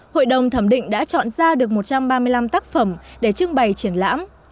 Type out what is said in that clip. hội đồng thẩm định đã chọn ra được một trăm ba mươi năm tác phẩm để trưng bày triển lãm